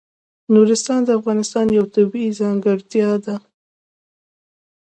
نورستان د افغانستان یوه طبیعي ځانګړتیا ده.